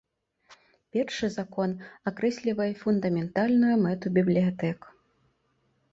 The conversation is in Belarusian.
Першы закон акрэслівае фундаментальную мэту бібліятэк.